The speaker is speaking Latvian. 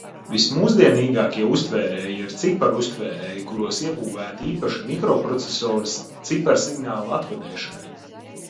Vismūsdienīgākie uztvērēji ir ciparu uztvērēji, kuros iebūvēti īpaši mikroprocesori ciparsignāla atkodēšanai.